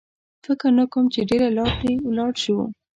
فکر نه کوم چې ډېره لار دې ولاړ شو.